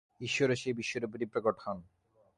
ঈশ্বরও সেই বিশ্বরূপেই প্রকট হন।